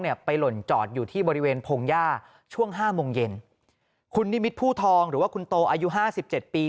ไปหล่นจอดอยู่ที่บริเวณพงหญ้าช่วงห้าโมงเย็นคุณนิมิตผู้ทองหรือว่าคุณโตอายุห้าสิบเจ็ดปี